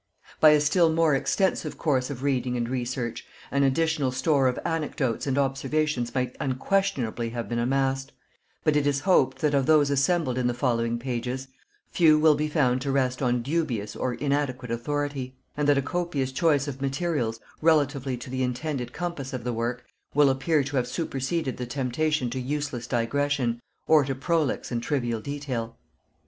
By a still more extensive course of reading and research, an additional store of anecdotes and observations might unquestionably have been amassed; but it is hoped that of those assembled in the following pages, few will be found to rest on dubious or inadequate authority; and that a copious choice of materials, relatively to the intended compass of the work, will appear to have superseded the temptation to useless digression, or to prolix and trivial detail.